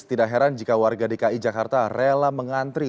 tidak heran jika warga dki jakarta rela mengantri